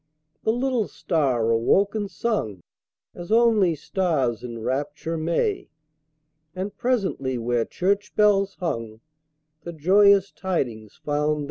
The little star awoke and sung As only stars in rapture may, And presently where church bells hung The joyous tidings found their way.